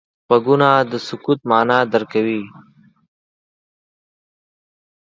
غوږونه د سکوت معنا درک کوي